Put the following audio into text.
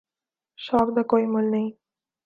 شوق دا کوئ مُل نہیں۔